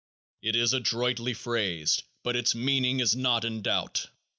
It is adroitly phrased, but its meaning is not in doubt.